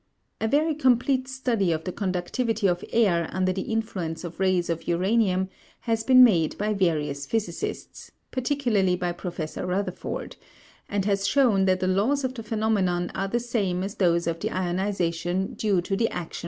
A very complete study of the conductivity of air under the influence of rays of uranium has been made by various physicists, particularly by Professor Rutherford, and has shown that the laws of the phenomenon are the same as those of the ionization due to the action of the Röntgen rays.